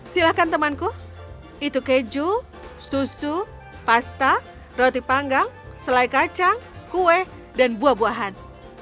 silahkan temanku itu keju susu pasta roti panggang selai kacang kue dan buah buahan